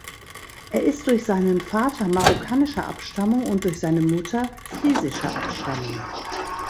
Er ist durch seinen Vater marokkanischer Abstammung und durch seine Mutter friesischer Abstammung.